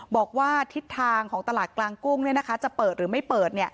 บอกว่าทิศทางของตลาดกลางกุ้งจะเปิดหรือไม่เปิด